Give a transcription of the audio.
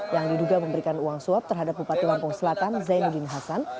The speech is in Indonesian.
yang diduga memberikan uang suap terhadap bupati lampung selatan zainuddin hasan